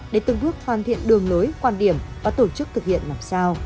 để từng bước hoàn thiện đường lối quan điểm và tổ chức thực hiện làm sao